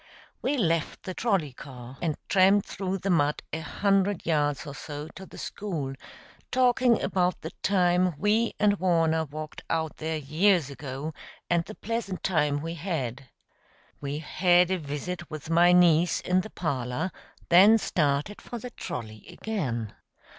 We left the trolley car and tramped through the mud a hundred yards or so to the school, talking about the time we and Warner walked out there years ago, and the pleasant time we had. We had a visit with my niece in the parlor, then started for the trolley again.